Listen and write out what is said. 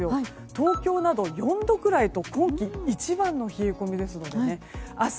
東京など４度くらいと今季一番の冷え込みですので明日